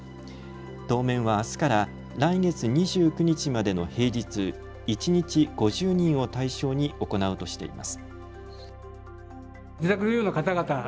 当面はあすから来月２９日までの平日、一日５０人を対象に行うとしています。